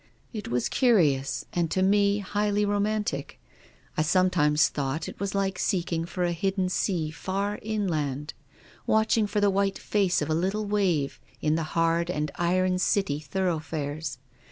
" It was curious, and to me, highly romantic. I sometimes thought it was like seeking for a hid den sea far inland, watching for the white face of a little wave in the hard and iron city thorough fares.